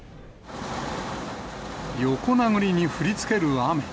横殴りに降りつける雨。